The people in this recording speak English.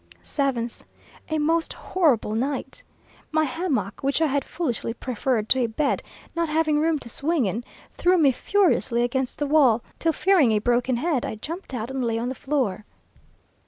7th. A most horrible night! My hammock, which I had foolishly preferred to a bed, not having room to swing in, threw me furiously against the wall, till fearing a broken head, I jumped out and lay on the floor.